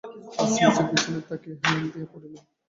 আজ নীচের বিছানায় তাকিয়ায় হেলান দিয়া পড়িল।